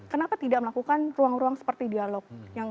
kenapa tidak melakukan ruang ruang seperti dialog